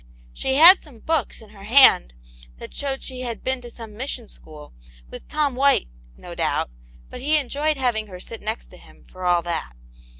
She had some books in her hand, that showed she had been to some mission school, with Tom White, no doubt but he enjoyed having her sit next to him, for all that.